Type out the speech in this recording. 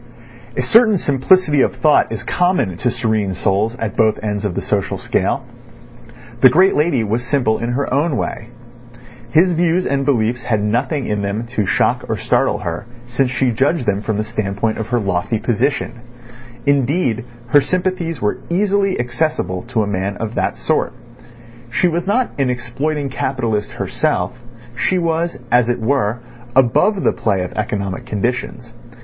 A certain simplicity of thought is common to serene souls at both ends of the social scale. The great lady was simple in her own way. His views and beliefs had nothing in them to shock or startle her, since she judged them from the standpoint of her lofty position. Indeed, her sympathies were easily accessible to a man of that sort. She was not an exploiting capitalist herself; she was, as it were, above the play of economic conditions.